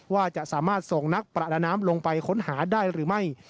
ว่าจะสามารถส่งนักประดาน้ำลงไปค้นหาได้หรือไม่